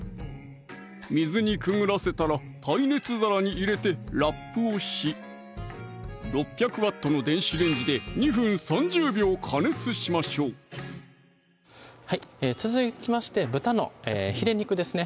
水にくぐらせたら耐熱皿に入れてラップをし６００Ｗの電子レンジで２分３０秒加熱しましょう続きまして豚のヒレ肉ですね